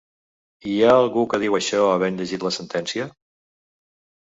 Hi ha algú que diu això havent llegit la sentència?